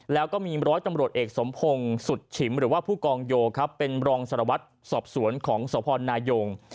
แล้วก็มีร้อยตำรวจเอกสมพงศ์สุดฉิมหรือว่าผู้กองโยครับเป็นรองสารวัตรสอบสวนของสพนายง